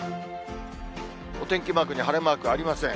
お天気マークに晴れマークありません。